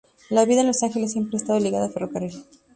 La vida en Los Ángeles siempre ha estado ligada al ferrocarril.